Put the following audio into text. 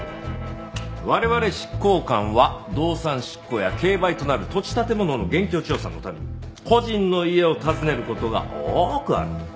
我々執行官は動産執行や競売となる土地建物の現況調査のために個人の家を訪ねる事が多くある。